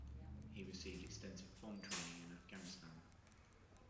He received extensive bomb training in Afghanistan.